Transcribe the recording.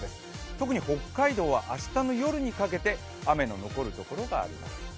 特に北海道は明日の夜にかけて雨の残るところがあります。